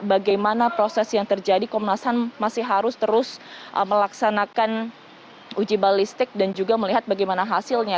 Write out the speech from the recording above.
bagaimana proses yang terjadi komnas ham masih harus terus melaksanakan uji balistik dan juga melihat bagaimana hasilnya